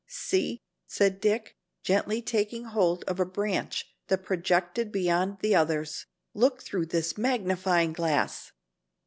"See," said Dick, gently taking hold of a branch that projected beyond the others, "look through this magnifying glass."